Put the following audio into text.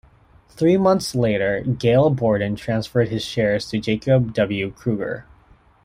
Three months later, Gail Borden transferred his shares to Jacob W. Cruger.